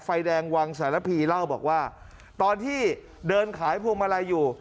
ไฟแดงวังสารพีเล่าบอกว่าตอนที่เดินขายพวงมาลัยอยู่